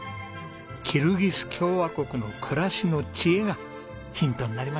キルギス共和国の暮らしの知恵がヒントになりましたね。